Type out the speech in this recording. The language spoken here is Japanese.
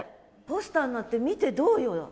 ポスターなって見てどうよ？